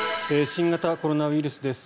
新型コロナウイルスです。